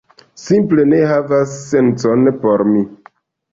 Simple ne havas sencon por mi